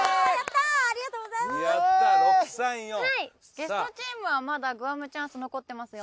ゲストチームはまだグアムチャンス残ってますよね。